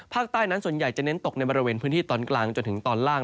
ภาคใต้นั้นส่วนใหญ่จะเน้นตกในบริเวณพื้นที่ตอนกลางจนถึงตอนล่าง